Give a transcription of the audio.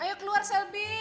ayo keluar selby